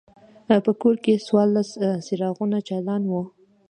په کور کې څوارلس څراغونه چالان وو.